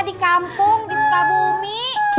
di kampung di sukabumi